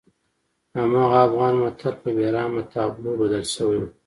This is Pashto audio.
هماغه افغان متل په بېرحمه تابلو بدل شوی.